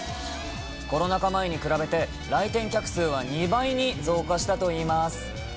コロナ禍前に比べて、来店客数は２倍に増加したといいます。